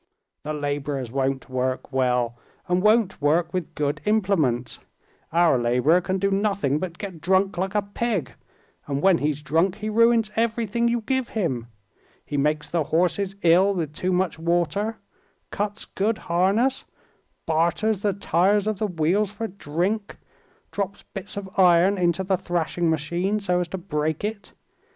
"The laborers won't work well, and won't work with good implements. Our laborer can do nothing but get drunk like a pig, and when he's drunk he ruins everything you give him. He makes the horses ill with too much water, cuts good harness, barters the tires of the wheels for drink, drops bits of iron into the thrashing machine, so as to break it.